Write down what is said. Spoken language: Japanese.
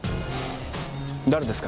誰ですか？